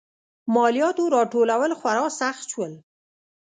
مالیاتو راټولول خورا سخت شول.